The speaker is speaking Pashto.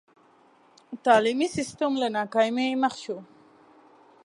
تعلیمي سسټم له ناکامۍ مخ شو.